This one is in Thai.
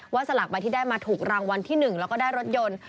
ว่าสลักบาทที่ได้มาถูกรางวัลที่หนึ่งแล้วก็ได้รถยนต์